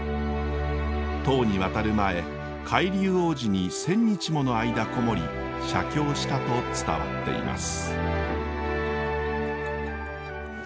唐に渡る前海龍王寺に１，０００日もの間籠もり写経したと伝わっています。